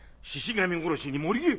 神殺しに森へ。